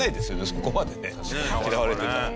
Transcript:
そこまでね嫌われてたら。